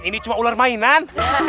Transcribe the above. ini cuma ular mainan